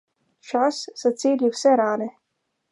Čas zaceli vse rane.